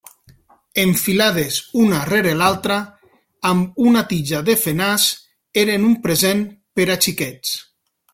Enfilades una rere l'altra amb una tija de fenàs, eren un present per a xiquets.